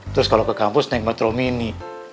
terus kalau ke kampus naik metro mini